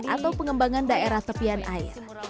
atau pengembangan daerah tepian air